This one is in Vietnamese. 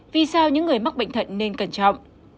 vì sao những người mắc bệnh thận nên cẩn trọng